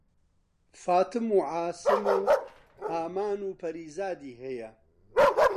فاتم و عاسم و ئامان و پەریزادی هەیە